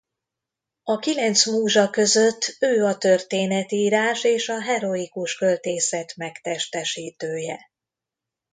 A kilenc múzsa között ő a történetírás és a heroikus költészet megtestesítője.